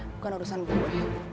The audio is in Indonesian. bukan urusan gue